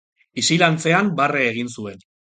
Isil antzean barre egin zuen.